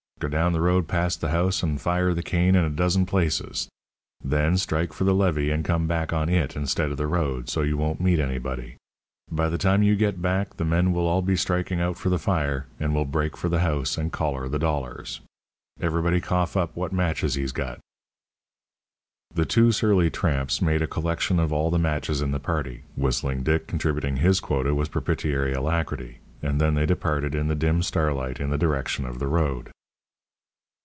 Go down the road past the house, and fire the cane in a dozen places. Then strike for the levee, and come back on it, instead of the road, so you won't meet anybody. By the time you get back the men will all be striking out for the fire, and we'll break for the house and collar the dollars. Everybody cough up what matches he's got." The two surly tramps made a collection of all the matches in the party, Whistling Dick contributing his quota with propitiatory alacrity, and then they departed in the dim starlight in the direction of the road.